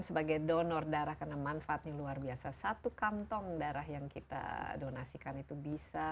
sebagai donor darah karena manfaatnya luar biasa satu kantong darah yang kita donasikan itu bisa